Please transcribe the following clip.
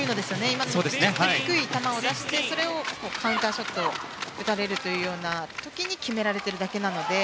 今のも、低い球を出してそれをカウンターショット打たれるという時に決められているだけなので。